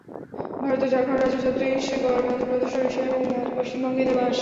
ভারতের ঝাড়খণ্ড রাজ্য, ছত্রিশগড়, মধ্যপ্রদেশ, ওড়িশা এবং পশ্চিমবঙ্গে এঁদের বাস।